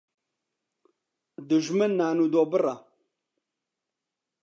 دوژمن نان و دۆ بڕە